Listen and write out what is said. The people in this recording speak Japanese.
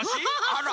あら！